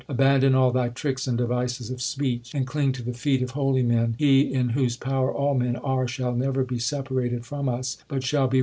Abandon all thy tricks and devices of speech, And cling to the feet of holy men. He in whose power all men are, Shall never be separated from us, but shall be with us alway.